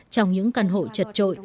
trong những căn hộ trật trội